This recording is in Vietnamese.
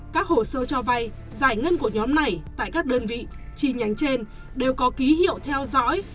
các hồ sơ cho vay giải ngân của nhóm này tại các đơn vị chi nhánh trên đều có ký hiệu theo dõi